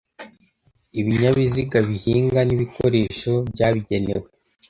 Ibinyabiziga bihinga n'ibikoresho byabigenewe